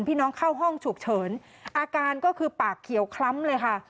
พี่น้องเข้าห้องฉุกเฉินอาการก็คือปากเขียวคล้ำเลยค่ะ